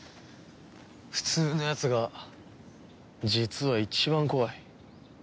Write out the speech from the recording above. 普通のやつが実は一番怖い。